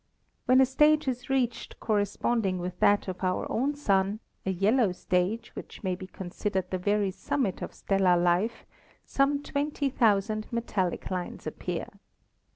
When a stage is reached corresponding with that of our own Sun, a yellow stage, which may be considered the very summit of stellar life, some twenty thousand metallic lines appear.